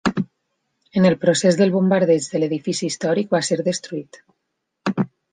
En el procés del bombardeig de l'edifici històric va ser destruït.